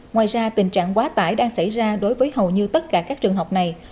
ngoài ra tình trạng quá tải đang xảy ra đối với hầu như tất cả các trường học này